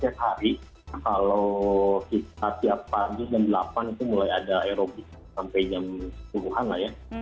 setiap hari kalau kita tiap pagi jam delapan itu mulai ada aerobi sampai jam sepuluh an lah ya